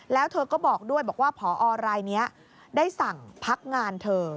แล้วเธอก็บอกด้วยบอกว่าพอรายนี้ได้สั่งพักงานเธอ